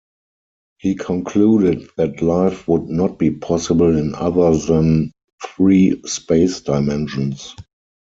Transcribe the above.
He concluded that life would not be possible in other than three space dimensions.